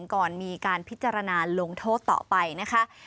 ก่อนมีการพิจารณาลงโทษต่อไปนะคะ